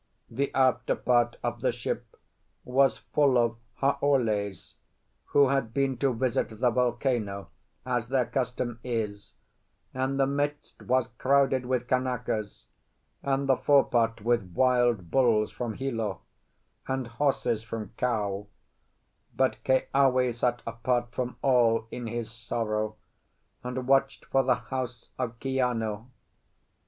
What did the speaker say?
The after part of the ship was full of Haoles who had been to visit the volcano, as their custom is; and the midst was crowded with Kanakas, and the forepart with wild bulls from Hilo and horses from Kau; but Keawe sat apart from all in his sorrow, and watched for the house of Kiano.